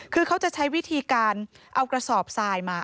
คือเขาจะใช้วิธีการเอากระสอบทรายมา